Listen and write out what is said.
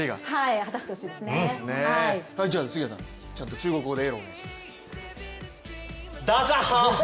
中国語でエールをお願いします。